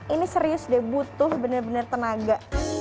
ini serius deh butuh bener bener tenaga